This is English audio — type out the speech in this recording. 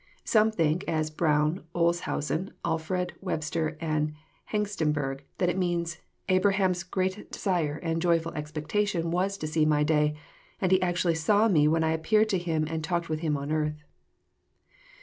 (c) Some think, as Brown, Olshausen, Alford, Webster, and Hengstenberg, that it means, *' Abraham's great desire and joyftil expectation was to see My day, and he actually saw Me when I appeared to him and talked with him on earth."